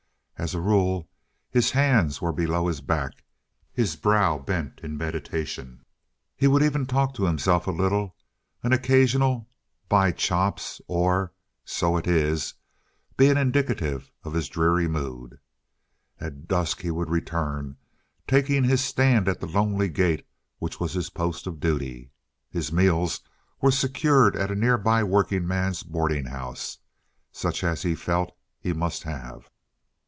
As a rule his hands were below his back, his brow bent in meditation. He would even talk to himself a little—an occasional "By chops!" or "So it is" being indicative of his dreary mood. At dusk he would return, taking his stand at the lonely gate which was his post of duty. His meals he secured at a nearby workingmen's boarding house, such as he felt he must have.